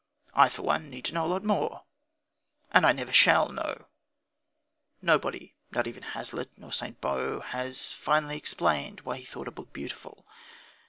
I, for one, need to know a lot more. And I never shall know. Nobody, not even Hazlitt nor Sainte Beuve, has ever finally explained why he thought a book beautiful.